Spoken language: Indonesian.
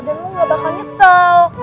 dan lo nggak bakal nyesel